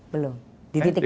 belum di titik terendah